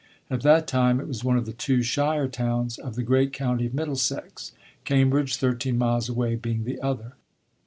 At that time it was one of the two shire towns of the great county of Middlesex, Cambridge, thirteen miles away, being the other.